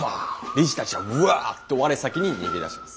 理事たちはうわっと我先に逃げ出します。